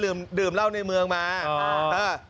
ได้ลืมร่าวในเมืองไหล้ผมอ้า